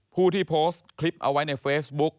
ผู้ที่โพสต์คลิปเอาไว้ในเฟซบุ๊ก